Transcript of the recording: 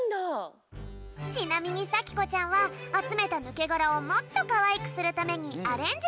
ちなみにさきこちゃんはあつめたぬけがらをもっとかわいくするためにアレンジもしているんだよ。